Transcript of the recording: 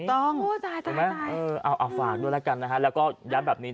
ถูกต้องถูกไหมเออเอาฝากด้วยแล้วกันนะฮะแล้วก็ย้ำแบบนี้